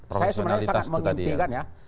profesionalitas itu tadi ya